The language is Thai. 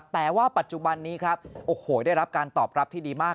แต่ว่าปัจจุบันนี้ครับโอ้โหได้รับการตอบรับที่ดีมาก